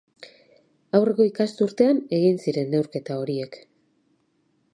Aurreko ikasturtean egin ziren neurketa horiek.